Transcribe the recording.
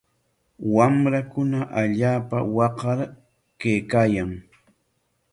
Wamrakuna allaapa waqar kaykaayan.